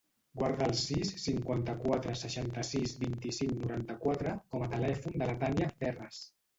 Guarda el sis, cinquanta-quatre, seixanta-sis, vint-i-cinc, noranta-quatre com a telèfon de la Tània Ferres.